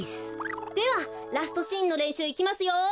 ではラストシーンのれんしゅういきますよ。